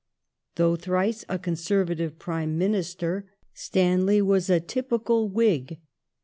Though thrice a Conservative Prime Minister, Stanley was a typical Whig.